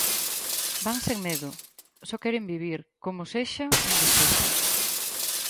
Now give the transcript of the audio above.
Van sen medo, só queren vivir, como sexa, onde sexa.